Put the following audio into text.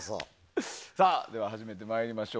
では、始めてまいりましょう。